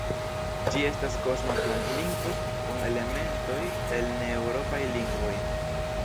Ĝi estas kosma planlingvo kun elementoj el ne-eŭropaj lingvoj.